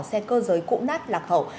xe cơ giới cụ nát lạc hậu